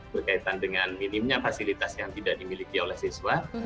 berkaitan dengan minimnya fasilitas yang tidak dimiliki oleh siswa